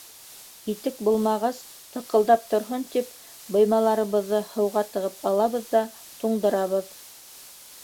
Итек булмағас, тыҡылдап торһон тип, быймаларыбыҙҙы һыуға тығып алабыҙ ҙа туңдырабыҙ...